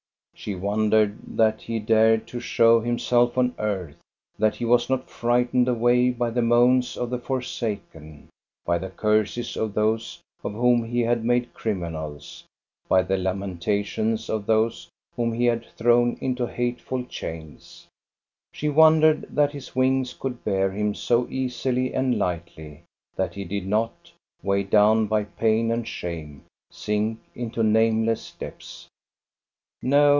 She wondered that he dared to show him self on earth, that he was not frightened away by the moans of the forsaken, by the curses of those of whom he had made criminals, by the lamentations of those whom he had thrown into hateful chains. She wondered that his wings could bear him so easily and lightly, that he did not, weighed down by pain and shame, sink into nameless depths.